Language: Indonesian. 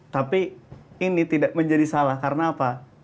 tapi ini tidak menjadi salah karena apa